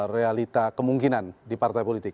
realita kemungkinan di partai politik